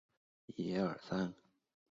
宽苞黄芩为唇形科黄芩属下的一个种。